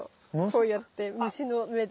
こうやって虫の目で。